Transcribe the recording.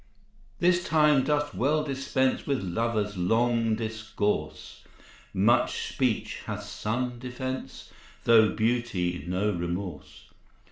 This time doth well dispense With lovers' long discourse; Much speech hath some defence, Though beauty no remorse.